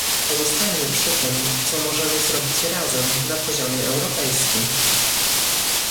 Pozostańmy przy tym, co możemy zrobić razem na poziomie europejskim